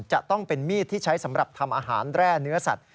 จะต้องเป็นมีดที่ใช้สำหรับทำอาหารแร่เนื้อสัตว